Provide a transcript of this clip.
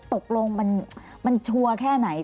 ตกลงมันชัวร์แค่ไหน